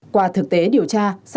qua thực tế điều tra